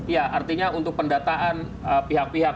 ya artinya untuk pendataan pihak pihak